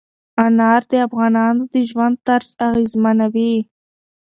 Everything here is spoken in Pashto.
انار د افغانانو د ژوند طرز اغېزمنوي.